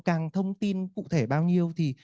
căng thông tin cụ thể bao nhiêu